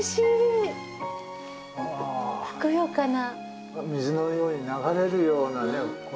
ふくよかな。